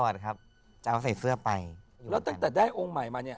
ได้เจออะไรแปลก